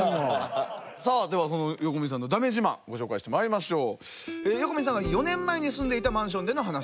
さあではその横見さんのだめ自慢ご紹介してまいりましょう。